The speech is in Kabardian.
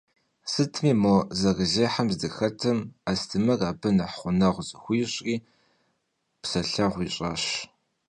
Сытми, мо зэрызехьэм здыхэтым, Астемыр абы нэхъ гъунэгъу зыхуищӏри, псэлъэгъу ищӏащ.